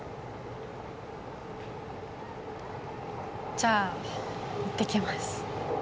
じゃあいってきます。